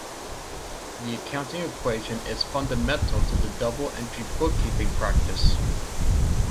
The accounting equation is fundamental to the double-entry bookkeeping practice.